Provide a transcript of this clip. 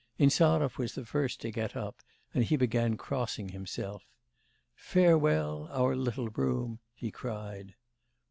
Insarov was the first to get up, and he began crossing himself. 'Farewell, our little room!' he cried.